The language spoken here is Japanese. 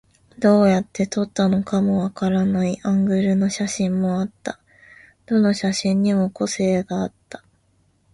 どうやって撮ったのかわからないアングルの写真もあった。どの写真にも個性があった。